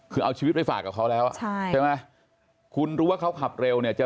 คือเอาชีวิตไปฝากกับเขาแล้วอ่ะใช่ใช่ไหมคุณรู้ว่าเขาขับเร็วเนี่ยจะ